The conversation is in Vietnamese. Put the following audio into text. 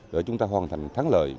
để chúng ta hoàn thành thắng lời